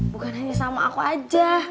bukan hanya sama aku aja